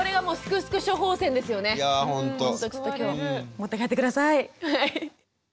持って帰って下さい。